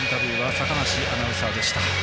坂梨アナウンサーでした。